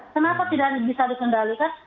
kenapa tidak bisa dikendalikan